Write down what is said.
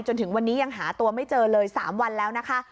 จนถึงวันนี้ยังหาตัวไม่เจอเลย๓วันแล้วนะคะ